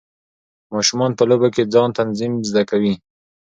ماشومان په لوبو کې د ځان تنظیم زده کوي.